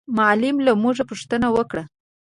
معلم له موږ پوښتنه وکړه.